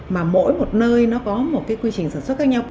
mà mỗi một nơi nó có một cái quy trình sản xuất khác nhau